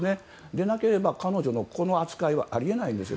でなければ、彼女のこの扱いはあり得ないですよ。